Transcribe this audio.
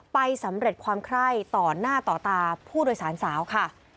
สำเร็จความไคร้ต่อหน้าต่อตาผู้โดยสารสาวค่ะ